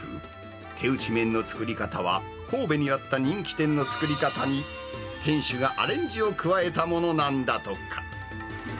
手打ち麺の作り方は神戸にあった人気店の作り方に、店主がアレンジを加えたものなんだとか。